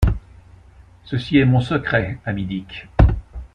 Ceci est mon secret, ami Dick.